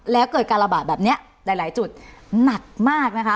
แล้วเกิดการระบาดแบบนี้หลายจุดหนักมากนะคะ